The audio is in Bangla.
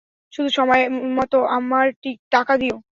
শুধু সময় মত আমার টাকা দিও।